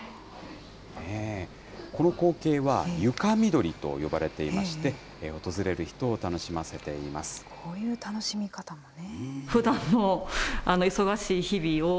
この光景は床緑と呼ばれていまして、こういう楽しみ方もね。